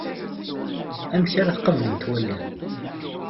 Amek ara tt-qablent wallen.